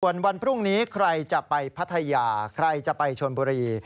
ส่วนวันพรุ่งนี้ใครจะไปพัทยาใครจะไปชนบุรี